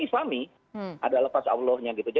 islami adalah pas allahnya gitu